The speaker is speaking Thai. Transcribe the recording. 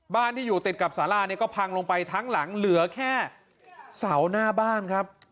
บ้านที่อยู่ติดกับสาราเนี่ยก็พังลงไปทั้งหลังเหลือแค่เสาหน้าบ้านครับ